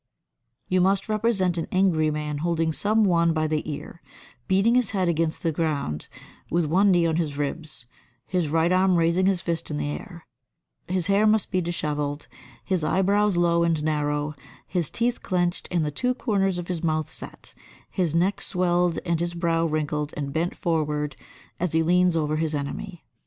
91. You must represent an angry man holding some one by the ear, beating his head against the ground, with one knee on his ribs, his right arm raising his fist in the air; his hair must be dishevelled, his eyebrows low and narrow, his teeth clenched and the two corners of his mouth set, his neck swelled and [his brow] wrinkled and bent forward as he leans over his enemy.